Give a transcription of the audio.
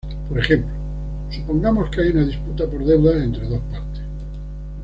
Por ejemplo, supongamos que hay una disputa por deudas entre dos partes.